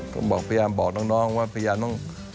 ผมบอกพยายามบอกน้องว่าพยายามต้อง